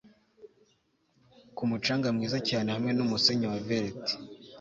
ku mucanga mwiza cyane hamwe n'umusenyi wa veleti